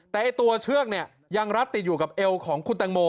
แต่ตัวเชือกเนี่ยยังรัดติดอยู่กับเอวของคุณตังโม